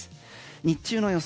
日中の予想